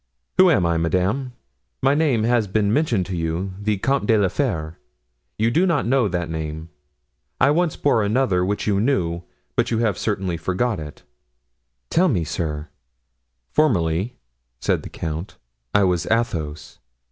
"Who I am, madame? My name has been mentioned to you—the Comte de la Fere; you do not know that name. I once bore another, which you knew, but you have certainly forgotten it." "Tell it me, sir." "Formerly," said the count, "I was Athos."